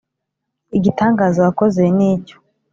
Igitangaza wakoze ni icyo.